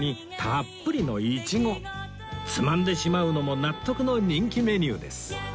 つまんでしまうのも納得の人気メニューです